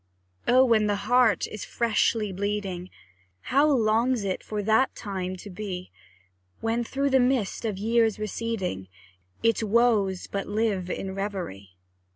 Oh! when the heart is freshly bleeding, How longs it for that time to be, When, through the mist of years receding, Its woes but live in reverie!